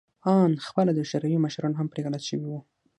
آن خپله د شوروي مشران هم پرې غلط شوي وو